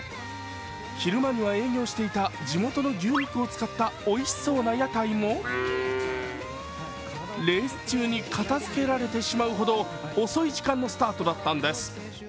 昼間には営業していた地元の牛肉を使ったおいしそうな屋台もレース中に片づけられてしまうほど遅い時間のスタートだったのです。